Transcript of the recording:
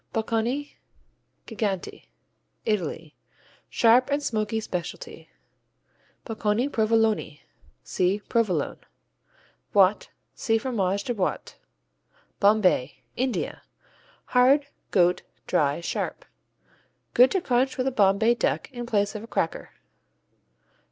Bocconi Geganti Italy Sharp and smoky specialty. Bocconi Provoloni see Provolone. Boîte see Fromage de Boîte. Bombay India Hard; goat; dry; sharp. Good to crunch with a Bombay Duck in place of a cracker.